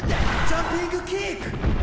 ジャンピングキック！